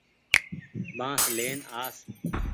بآس لين آس۔